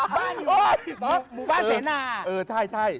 บ้านอยู่บ้านพี่ต๊อกบ้านเสน่า